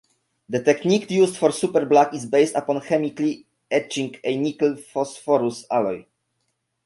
The technique used for super black is based upon chemically etching a nickel-phosphorus alloy.